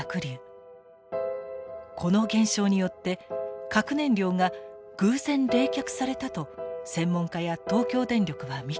この現象によって核燃料が偶然冷却されたと専門家や東京電力は見ています。